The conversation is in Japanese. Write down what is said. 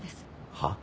はっ？